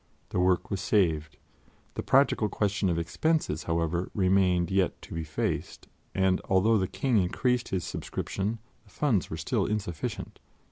The work was saved. The practical question of expenses, however, remained yet to be faced, and although the King increased his subscription, the funds were still insufficient.